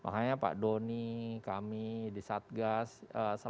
makanya pak doni kami di satgas selalu menggunakan